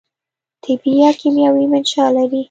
طبي یا کیمیاوي منشأ لري.